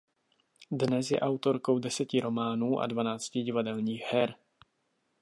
Dnes je autorkou deseti románů a dvanácti divadelních her.